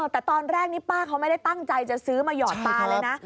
แต่ตอนแรกนี้ป้าเขาไม่ได้ตั้งใจจะซื้อมาหยอดตาเลยนะ